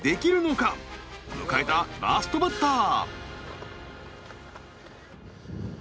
迎えたラストバッター。